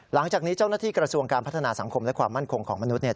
หลังจากนี้เจ้าหน้าที่กระทรวงการพัฒนาสังคมและความมั่นคงของมนุษย์เนี่ย